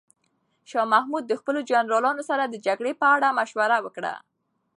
شاه محمود د خپلو جنرالانو سره د جګړې په اړه مشوره وکړه.